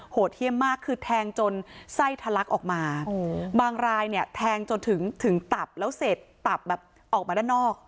เที่ยมมากคือแทงจนไส้ทะลักออกมาบางรายเนี่ยแทงจนถึงตับแล้วเสร็จตับแบบออกมาด้านนอก